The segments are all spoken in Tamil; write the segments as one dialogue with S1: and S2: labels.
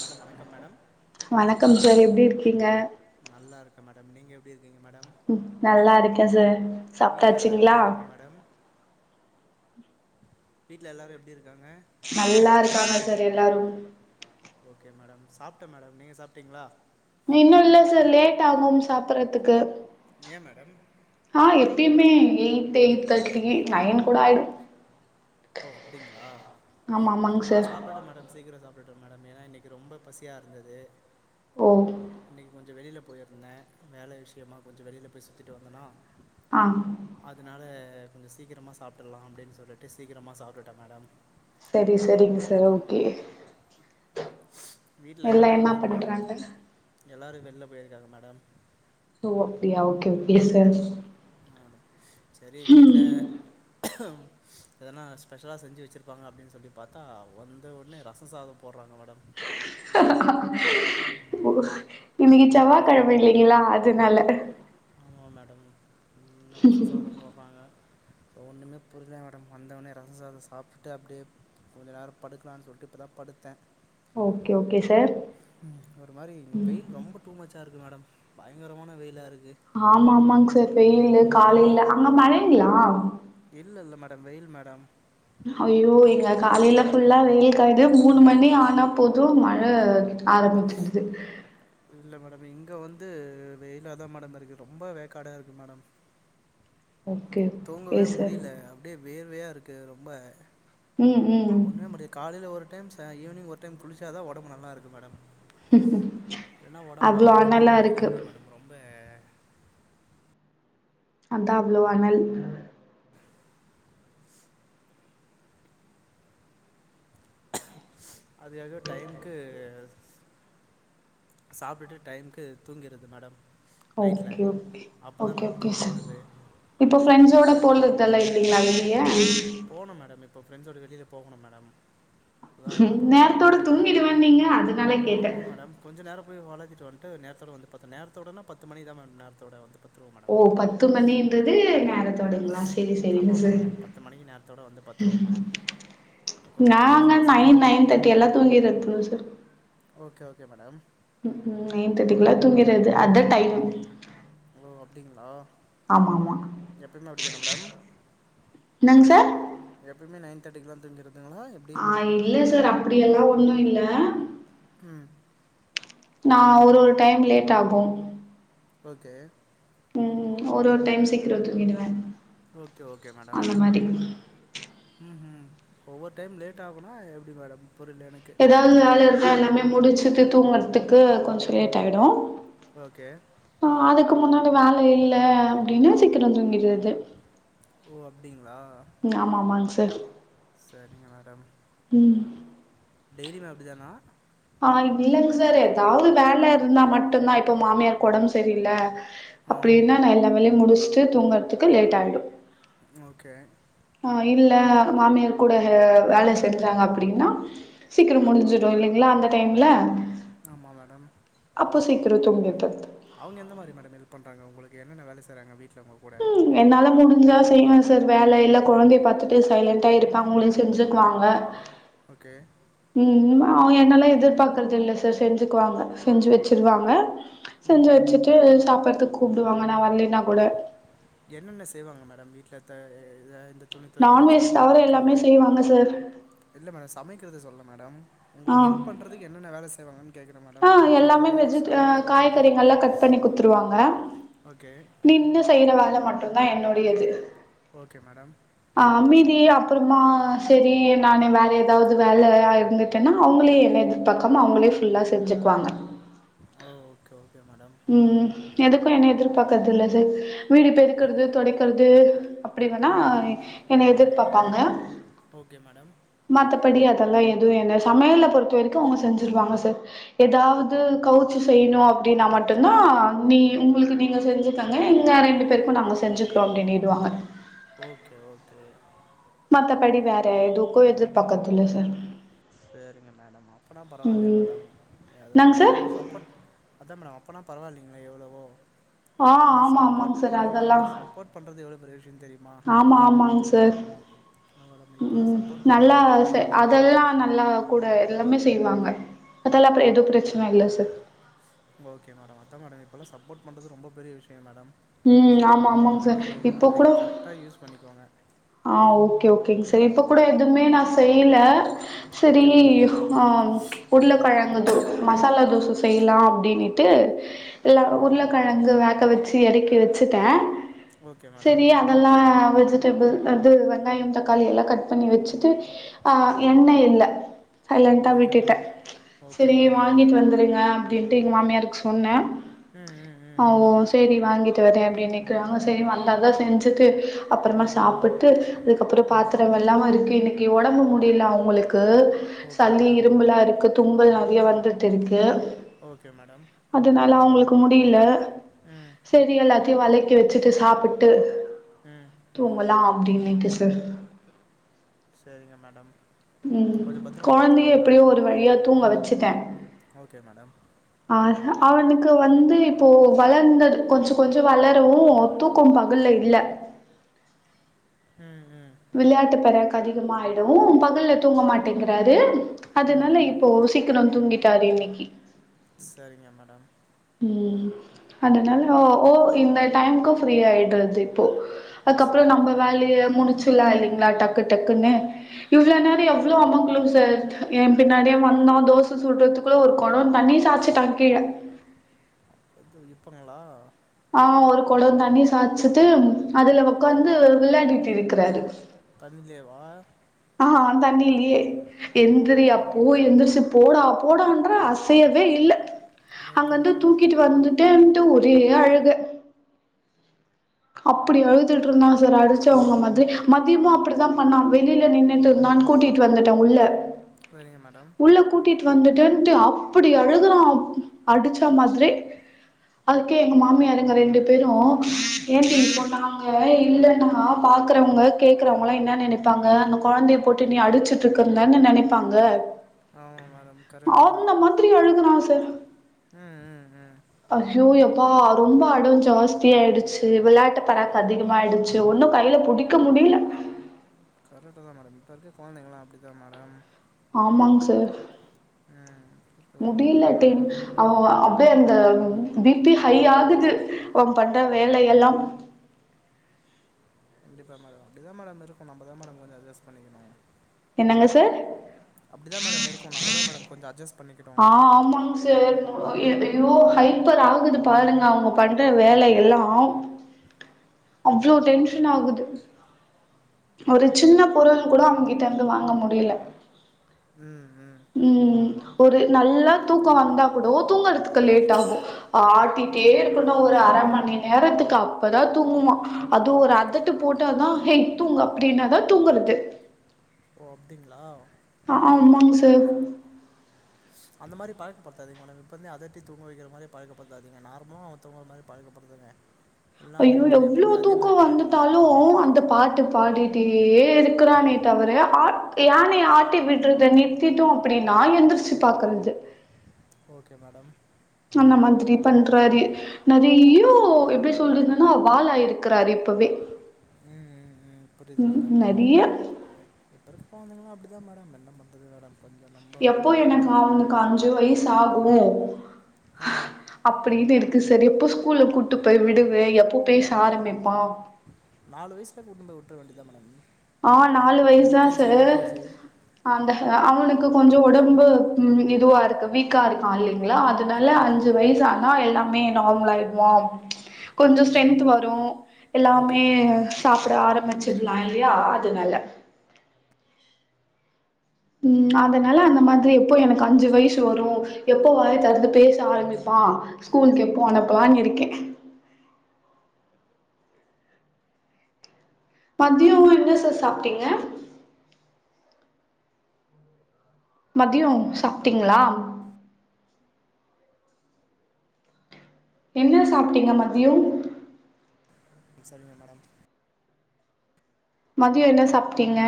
S1: மேடம் வணக்கம் மேடம்
S2: வணக்கம் சார் எப்டி இருக்கீங்க
S1: நல்லா இருக்க மேடம் நீங்க எப்டி இருக்கீங்க மேடம்
S2: ம், நல்லா இருக்கே சார்
S1: வீட்ல எல்லா எப்டி
S2: சாப்ட்டாச்சுங்களா
S1: இருக்காங்க மேடம் வீட்ல எல்லாரு எப்டி இருக்காங்க
S2: நல்லா இருக்காங்க சார் எல்லாரு
S1: ஓகே மேடம் சாப்ட்ட மேடம் நீங்க சாப்ட்டீங்களா
S2: இன்னு இல்ல சார் லேட் ஆகும் சாப்பிட்றதுக்கு
S1: ஏ மேடம்
S2: நா எப்பயுமே எயிட் எயிட் தேர்ட்டிக்கி நைன் கூட ஆயிடு
S1: ஓ அப்டிங்ளா
S2: ஆமா ஆமாங்க
S1: நா
S2: சார்
S1: சாப்ட்டுட்ட மேடம் சீக்கிர சாப் ட்டுட்ட மேடம் ஏன்னா இன்னைக்கு ரொம்ப பசியா இருந்தது
S2: ஓ
S1: இன்னைக்கு கொஞ்சோ வெளில போயிருந்த வேல விஷயமா கொஞ்ச வெளில போய் சுத்திட்டு வந்தனா
S2: ஆ
S1: அதுனால கொஞ்சோ சீக்கிரமா சாப்ட்டுடலா அப்டின்னு சொல்லிட்டு சீக்கிரமா சாப்ட்டுட்டே மேடம்
S2: சரி சரிங்க சார் ஓகே
S1: வீட்ல
S2: எல்லா என்ன
S1: நானு ரொம்
S2: பண்றாங்க
S1: எல்லாரு வெளில போயிருக்காங்க மேடம்
S2: ஓ அப்டியா ஓகே ஓகே சார்
S1: செரி வீட்ல எதனா ஸ்பெஷலா செஞ்சு வெச்சிருப்பாங்க அப்டின்னு சொல்லி பாத்தா வந்த உடனே ரச சாதம் போட்றாங்க மேடம்
S2: இன்னிக்கு செவ்வாகெழம இல்லைங்களா அதனால
S1: ஆமா மேடம் இன்னு ரசம் சாதம் போட்றாங்க இப்ப ஒண்ணுமே புரியலங்க மேடம் வந்தவுடனே ரசம் சாதம் சாப்ட்டு அப்டியே கொஞ்ச நேரம் படுக்கலான்னு சொல்ட்டு இப்பதா படுத்தே
S2: ஓகே ஓகே சார்
S1: ம் ஒரு மாரி வெயில் ரொம்ப டூ மச்சா இருக்கு மேடம் பயங்கரமான வெயிலா இருக்கு
S2: ஆமா ஆமாங்க சார் வெயில்
S1: ஒன்றும் முடியல
S2: காலைல அங்க மழை இல்லயா
S1: இல்ல இல்ல மேடம் வெயில் மேடம்
S2: ஐயோ இங்க காலைல ஃபுல்லா வெயில் காயிது மூணு மணி ஆனா போது மழ ஆரம்பிச் சிது
S1: இல்ல மேடம் இங்க வந்து வெயிலாதா மேடம் இருக்கு ரொம்ப வேக்காடா இருக்கு மேடம்
S2: ஓகே ஓகே
S1: தூங்கவே
S2: சார்
S1: முடியல அப்டியே வேர்வையா இருக்கு ரொம்ப
S2: ம் ம்
S1: ஒண்ணுமே முடி காலைல ஒரு டைம் ச ஈவினிங் ஒரு டைம் குளிச்சாதா ஒடம்பு நல்லாருக்கு மேடம் ஏன்னா ஒடம்பு
S2: அவ்ளோ
S1: அலன்டு
S2: அனலா
S1: போன மாரி இருக்கு மேடம் ரொம்ப
S2: அதா அவ்ளோ அனல்
S1: அது அது டைம்க்கு சாப்ட்டுட்டு டைம்க்கு தூங்கிட்றது மேடம் நைட்ல
S2: ஓகே ஓகே
S1: அப்போதா
S2: ஓகே
S1: மேடம்
S2: ஓகே
S1: தூக்கோ
S2: சார்
S1: வருது
S2: இப்போ ஃப்ரெண்ட்ஸோட போல்றது எல்லா இல்லைங்கா வெளிய
S1: போனும் மேடம் இப்ப ஃப்ரெண்ஸ்சோட வெளிய போகணும் மேடம் அதா இப்போ இன்னு
S2: நேரத்தோட
S1: கொஞ்ச
S2: தூங்கிடுவேன்னீங்க அதனால கேட்டே
S1: ஆமா மேடம் கொஞ்சம் நேர போயி உலாவிட்டு வந்துட்டு நேரத்தோட வந்து பாத்த நேரத்தோடன்னா பத்து மணி தாம்மா நேரத்தோடு வந்து பத்துருவோம் மேடம்
S2: ஓ பத்து மணியின்றது நேரத்தோடுங்களா சார் சேரி
S1: ஆமாம்
S2: சேரிங்க
S1: ஆமாம்
S2: சார்
S1: மேடம் பத்து மணிக்கு நேரத்தோடு வந்து பத்துருவோம் மேடம் இப்போ கொஞ்ச நாள் போய்
S2: நாங்க
S1: ஃப்ரெண்ட்ஸுங்க
S2: நைன்
S1: கூட போய்
S2: நைன் தர்டி எல்லாம் தூங்கிறது சார்
S1: ஓகே ஓகே மேடம்
S2: ம்ம் நைன் தேர்ட்டிக்கு எல்லாம் தூங்கிறது அது தான் டைம்
S1: ஓ அப்படிங்களா
S2: ஆமா ஆமா
S1: எப்பயுமே அப்படி தானே
S2: என்னங்க சார்
S1: எப்பவுமே நைன் தேர்ட்டிகெலாம் தூங்கிறதுங்களா எப்
S2: ஆ இல்ல சார் அப்படி எல்லாம் ஒண்ணும் இல்ல
S1: உம்
S2: நான் ஒரு டைம் லேட் ஆகும்
S1: ஓகே
S2: ம் ஒரு ஒரு டைம் சீக்கிரம் தூங்கிடுவேன்
S1: ஓகே ஓகே மேடம் ம்ஹும் ஒவ்வொரு டைம் லேட் ஆகும்னா எப்படி மேடம் புரியல எனக்கு
S2: அதாவது வேல இருக்க எல்லாமே முடிச்சுட்டு தூங்குறதுக்கு கொஞ்சம் லேட் ஆகிடும்
S1: ஓகே
S2: ஆ அதுக்கு முன்னாடி வேலை இல்ல அப்படின்னா சீக்கிரம் தூங்கிறது
S1: ஓ அப்படிங்களா
S2: ஆமா ஆமாங்க சார்
S1: செரிங்க மேடம்
S2: ம்
S1: டெய்லிமே அப்படி தானா
S2: ஆ இல்லைங்க சார் ஏதாவது வேலை இருந்தா மட்டும் தான் இப்போ மாமியாருக்கு உடம்பு சரியில்ல
S1: ஆ
S2: அப்படின்னா நான் எல்லா வேலையும் முடிச்சுட்டு தூங்குறதுக்கு லேட் ஆயிடும்
S1: ஓகே
S2: ஆ இல்ல மாமியார் கூட வேலை செஞ்சாங்க அப்படின்னா சீக்கிரம் முடிஞ்சிடும் இல்லைங்களா அந்த டைம்ல
S1: ஆமாம் மேடம்
S2: அப்போ சீக்கிரம் தூங்கிட்டோ
S1: அவங்க எந்த மாதிரி மேடம் ஹெல்ப் பண்றாங்க உங்களுக்கு என்னென்ன வேலை செய்யறாங்க வீட்டுல உங்க கூட
S2: ம் என்னால முடிஞ்சா செய்வேன் சார் வேலை இல்ல குழந்தைய பாத்துட்டு சைலண்டா இருப்பாங்க அவுங்களே செஞ்சுக்குவாங்க
S1: ஓகே
S2: ம் ம் அவுங்க என்னெலாம் எதிர்பாக்குறது இல்ல சார் செஞ்சுக்குவாங்க செஞ்சு வச்சிருவாங்க
S1: ம்
S2: செஞ்சு வச்சுட்டு சாப்டுறதுக்கு கூப்டுவாங்க நான் வரலேன்னா கூட
S1: என்னென்ன செய்வாங்க மேடம் வீட்ல த இந்த துணி துவைக்கிறது
S2: நான்வெஜ்
S1: சாமான்
S2: தவிர எல்லாமே
S1: வெளக்குறது
S2: செய்வாங்க சார்
S1: இல்ல மேடம் சமைக்கிறது சொல்லல மேடம்
S2: ஆ
S1: உங்களுக்கு ஹெல்ப் பண்றதுக்கு என்னென்ன வேலை செய் செய்வாங்கனு கேக்கறேன்
S2: ஆ
S1: மேடம் துணி
S2: எல்லாமே
S1: துவைக்கிறது
S2: வெஜிட் ஆ
S1: சாமான் கழுவுறது
S2: காய்கறிங்கல்லா கட் பண்ணி குடுத்துருவாங்க
S1: ஓகே
S2: நின்னு செய்யிற வேலை மட்டும் தான் என்னுடையது
S1: ஓகே மேடம்
S2: அ அம்மீதி அப்பறமா சேரி நானே வேற ஏதாவது வேலையா இருந்து ட்டனா அவங்களே என்ன எதிர்பாக்காம அவங்களே ஃபுல்லா செஞ்சுக்குவாங்க
S1: ஓ ஓகே ஓகே மேடம்
S2: ம் ம்‌ எதுக்கும் என்னை எதிர்பாக்குறதில்ல சார் வீடு பெருக்குறது தொடைக்கிறது அப்டி வேணா
S1: ம்
S2: என்ன எதிர்பாப்பாங்க
S1: ஓகே மேடம்
S2: மத்தபடி அதெல்லா எதுவும் என்ன சமையல பொறுத்த வரைக்கும் அவங்க செஞ்சிருவாங்க சார் ஏதாவது கவுச்சு செய்யணும் அப்டின்னா மட் மட்டுந்தா நீ உங்களுக்கு நீங்க செஞ்சுக்கங்க இங்க ரெண்டு பேருக்கும் நாங்க செஞ்சுக்கிறோ அப்டின் நீடுவாங்க
S1: ஓகே ஓகே
S2: மத்தபடி வேற எதுக்கும் எதிர்பாக்கறது இல்ல சார்
S1: சேரிங்க மேடம் அப்பனா பரவாயில்லையே
S2: ம்
S1: மேடம்
S2: என்னங்க
S1: ஏதாச்சும்
S2: சார்
S1: அவங்க சப்போர்ட் அதான மேடம் அப்போன்னா பரவால்லைங்களே எவ்ளவோ
S2: ஆ ஆமா ஆமாங்க சார் அதெல்லா
S1: சப்போர்ட் பண்ணுறது எவ்வளோ பெரிய விஷயம் தெரியுமா
S2: ஆமா ஆமாங்க சார்
S1: மேடம் இப்போலாம்
S2: ம்
S1: சப்போர்ட்
S2: நல்லா
S1: பண்ணுறது ரொம்ப
S2: செ
S1: பெரிய விஷயம்
S2: அதெல்லா
S1: மேடம்
S2: நல்லா கூட எல்லாமே செய்வாங்க அதல்லா பிர எதும் பிரச்சன இல்ல சார்
S1: ஓகே மேடம் அதா மேடம் இப்போல்லாம் சப்போர்ட் பண்ணுறது ரொம்ப பெரிய விஷயம் மேடம்
S2: ம்
S1: சோ
S2: ஆமா
S1: அதனால
S2: ஆமாங்க சார்
S1: வந்து அத
S2: இப்போ
S1: நீங்க
S2: கூட
S1: கரெக்டா யூஸ் பண்ணிக்கோங்க
S2: ஆ ஓகே ஓகேங்க சார் இப்ப கூட நா எதுமே செய்யல செரி
S1: ஓகே மேடம்
S2: ஆ உருளக்கெழங்கு தோ மசாலா தோச செய்யலா அப்டின்ட்டு எல்ல
S1: ம்
S2: உருளக்கெழங்கு வேக வச்சு எறக்கி வச்சுட்டே
S1: ஓகே மேடம்
S2: செரியா அதெல்லா வெஜிடபிள் அது வெங்காயம் தக்காளி எல்லாம் கட் பண்ணி வச்சுட்டு ஆ எண்ணெய் இல்ல சைலன்டா
S1: ஓகே மே
S2: விட்டுட்டே
S1: ஓகே
S2: செரி
S1: மேடம்
S2: வாங்கிட்டு வந்துருங்க அப்டின்ட்டு எங்க மாமியாருக்கு சொன்னே
S1: ஆ ஆ ஆ
S2: ஓ செரி வாங்கிட்டு வரேன் அப்டின்னு நிக்குறாங்க செரி வந்தா தா செஞ்சுட்டு அப்பறமா
S1: ம்
S2: சாப் புட்டு அதுக்கப்பறோ
S1: ம்
S2: பாத்தரம் எல்லாம் வருக்கி இன்னைக்கு ஒடம்பு முடியல அவங்களுக்கு
S1: ஓகே
S2: சளி
S1: மேடம்
S2: இரும்பல்லா இருக்கு தும்பல் நெறைய வந்துட்டு இருக்கு
S1: ஓகே மேடம்
S2: அதனால அவங்களுக்கு முடியல
S1: ஆ
S2: சேரி எல்லாத்தையும் வெலக்கி வச்சுட்டு சாப்புட்டு
S1: ம்
S2: தூங்கலா அப்டின்னுட்டு சார்
S1: செரிங்க மேடம்
S2: ம்
S1: கொஞ்சம் பத்திரமா
S2: கொழந்தைய
S1: பார்த்துக்கோங்க
S2: எப்டியோ
S1: மேடம்
S2: ஒரு
S1: அவங்கள
S2: வழியா தூங்க வச்சுட்டே
S1: ஓகே மேடம்
S2: அதா அவனுக்கு வந்து இப்போ வளந்தது கொஞ்சம் கொஞ்சம் வளரவும் தூக் க்கோ பகல்ல இல்ல
S1: ம் ம்
S2: விளையாட்டு பறக்கு அதிகமா ஆயிடும் பகல்ல தூங்க மாட்டேங்கறாரு
S1: ம்
S2: அதனால இப் ப்போ சீக்கிரம் தூங்கிட்டாரு இன்னைக்கு
S1: சரிங்க மேடம்
S2: ம் அதனால ஓ இந்த டைமுக்கு ஃப்ரீ ஆயிடுறது இப்போ அதுக்கப்புறோ
S1: சரிங்க
S2: நம்ம
S1: மேடம்
S2: வேலய முடிச்சுலா இல்லங்களா டக்கு டக்குன்னு இவ்வளோ நேரோ எவ்ளோ அமக்கலோ சார் ஏ பின்னாடியே வந்தா தோச சுட்ரதுக்கு குள்ள ஒரு குடோ தண்ணி சாச்சிட்டா கீழ
S1: ஐயோ இப்போங்களா
S2: ஆ ஒரு குடோ தண்ணி சாச்சுட்டு அதுல உக்காந்து விளையாடிட்டு இருக்கிறாரு
S1: கண்ணுன்லேவா
S2: ஆ தண்ணீல்யே எந்திரி
S1: ஓகே
S2: அப்பு எந்திர்ச்சு போடா போடான் ற அசையவே இல்ல
S1: ஓகே
S2: அங்கந்து
S1: மேடம்
S2: தூக்கிட்டு வந்துட்டேன்ட்டு ஒரே அழுக அப்புடி அழுதுட்ருந்தா சார் அடிச்சவங்க மதி மத்யமு அப்டிதா பண்ணா வெளில நின்னுட் இருந்தான் கூட்டிட் வந்துட்டா உள்ள
S1: வெரிங்க மேடம்
S2: உள்ள கூட்டிட் வந்துட்டுன்ட்டு அப்படி அழுகுறா அப் அடிச்ச மாத்ரே அ க்கே எங்க மாமியாருங்க ரெண்டு பேரு ஏட்டி பொட்ட நாங்க இல்லேனாப் பாக்கறவங்க கேக்குறவங்கலா இன்னா நெனைப்பாங்க அந்த கொழந்தய போட்டு நீ அடிச்சிட்ருக்கர்ந்துன்னு நெனிப்பாங்க
S1: ஆமா மேடம் கரட்டு தா
S2: த்ரி அழுகுனா சர்
S1: ஆ அ அ அ
S2: அஹ்யோ யப்பா ரொம்ப அடோ ஜாஸ்தியாய்டுச்சு வெள்ளாட்டு பறக் அதிகமாய்டுச்சு ஒன்னு கைல புடிக் க்கு முடில
S1: கரெட்டு தா மேடம் இப் இருக்க கொழந்தைங்கலா அப்டி தா மேடம்
S2: ஆமாங் சார்
S1: ஆ இப்பு கோழ்ந்தைங்களா
S2: அவ்ல அப்டியே அந்த பிபி ஹை ஆகுது வ பண்ற வேலையெல்லாம்
S1: கண்டிப்பா மேடோ அப்டிதா மேடம் இருக்கனு நாம்ப தா மேடம் கொஞ்சோ அஜ்ஜஸ்ட் பண்ணிக்கணு
S2: என்னங்க சார்
S1: அப்டிதா மேடம் இருக்கு நம்ப தா மேடம் கொஞ்சோ அஜ்ஜஸ்
S2: ஆ ஆமாங்ஸ் ச்சேர் போ ஈட் இயோ ஹைப்பர் ஆகுது பாருங்க அவ்ங்க பண்ற வேல எல்லா அவ்ளோ டென்ஷன் ஆகுது ஒரு சின்ன பொருள் கூட அவ் கிட்ட இருந்து வாங்க முடில
S1: ம் ம்
S2: ம் ஒரு நல்லா தூக்கோ வந்தா குடோ தூங்கற்த்துக்கு லேட் ஆகு ஆட்டிட்டே இர்க்குனு ஒரு அர மணி நேரத்துக்கு அப்பதா தூங்குவா அது ஒரு அதட்டு போட்டாதா ஹேய் தூங்கு அப்டின்னாதா தூங்குற்து
S1: ஓ அப்டிங்ளா
S2: அஆ ஆமாங் சர்
S1: அந்த மாரி பழக்கப்படுத்தாதிங்க ஒன்னே இப்பமே அதட்டி தூங்க வைக்கிற மாரியே பழகப்படுத்தாதிங்க நார்மூ அவெ தூங்கற மாய் பழகப்படுதுங்க
S2: ஐயோ எவ்ளோ தூக்கோ
S1: பழக்கமாயிடும்
S2: வந்துட்டாலு
S1: மேடம்
S2: அந்த பாட்டு பாடிட் ட்டியே இருக்குறானே தவரே ஆட் யானைய ஆட்டி விட்றுத நிறத்திட்டோ அப்படின்னா எந்திர்ச்சி பாக்கற்து
S1: ஓகே மேடம்
S2: அந்ந மாத்ரி பண்றாரி நறையோ எப்டி சொல்றதுன்னா வாலாயிருக்குறார் இப்புவே
S1: ம் ம் ம் புரிய்து மேடம்
S2: நெறைய
S1: இப்பருக்கவனுங்களா அப்டிதா மேடம் என்ன பண்றது மேடம் கொஞ்சு நம்பவே தா மேட கொஞ்சோ
S2: கா அஞ்சு வய்ஸ் ஆகுமூ
S1: ஆ
S2: அப்டின்னு இருக்கு சார் எப்போ ஸ்கூல்ல கூட்டு போய் விடுவே எப்போ பேஸ் ஆரம்பிப்பாம்
S1: நாலு வய்ஸுல கூட்னு போய் விட்ற வேண்டிதா மேடம்
S2: அ நாலு வயச்தா சே
S1: எல்கேஜி யூகேஜி
S2: அந்த ஹ அவனுக்கு கொஞ்சோ ஒடம்பு ம் இதுவாருக்கு வீக்கா இருக்கா இல்லிங்ளா அது னால
S1: ஓகே
S2: அஞ்சு வயசு ஆனா எல்லாமே நார்மலாயிட்வாம் கொஞ்சோ
S1: ம்
S2: ஸ்ட்ரென்த்து வரு
S1: ஓகே
S2: எல்லாமே
S1: மேடம்
S2: சாப்புட ஆரம்பிச்சிட்லால் றியா அதுனால ம் அதனால அந்த மாதிரி எப்போ எனக்கு அஞ்சு வயசு வரு எப்போ வாயத் தெறந்து பேச ஆரமிப்பா ஸ்கூல்க்கு எப்போ அனுப்பலான் இருக்கே மத்யோ என்ன சார் சாப்ட்டீங்க மத்தியோ சாப்ட்டீங்ளா என்ன சாப்ட்டீங்க மத்யோ
S1: ம் சரிங்க மேடம்
S2: மத்யோ என்ன சாப்ட்டீங்க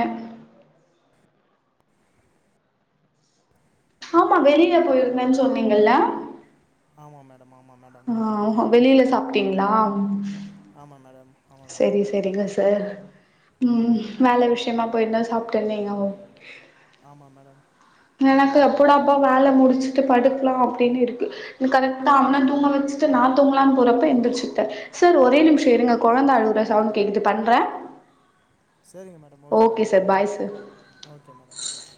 S2: ஆமா வெளிலப் போயிருந்தன் சொன்னீங்கில்ல
S1: ஆமா மேம் த மாமா மேடம்
S2: ஆ ஓஹோ வெளில சாப்ட்டீங்ளாம்
S1: ஆமா மேடம் ஆமாம்
S2: செரி
S1: மேடம்
S2: செரிங்க சார் ம் வேல விஷ்யமா போய்ருந்ததா சாப்ட்டன்னீங்கவோ
S1: ஆமா மேடம்
S2: எனக்கு எப்படாப்பா வேல முடிச்சுட்டு படுக்லா அப்டின் இருக்கு னு கரெக்டா அவனத் தூங்க வெச்சுட்டு நாத் தூங்கலான் போறப்ப எந்திரிச்சிட்ட சார் ஒரே நிம்ஷோ இருங்க கொழந்த அழுவுற சவுண்ட் கேக்குது பண்றே
S1: சேரிங்க madam okay madam
S2: sir bye
S1: okay
S2: sir
S1: okay madam பாய்